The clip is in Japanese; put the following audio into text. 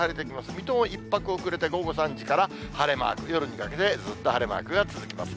水戸も一拍遅れて、午後３時から晴れマーク、夜にかけてずっと晴れマークが続きます。